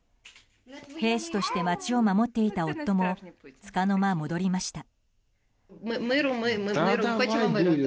兵士として街を守っていた夫もつかの間、戻りました。